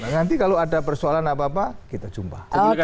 nanti kalau ada persoalan apa apa kita jumpa